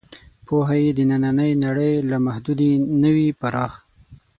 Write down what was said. پوهه یې د نننۍ نړۍ له محدودې نه وي پراخ.